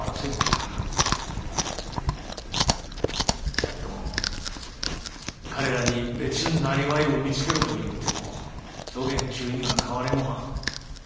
じゃっどん彼らに別ん生業を見つけろと言うてもそげん急には変われもはん。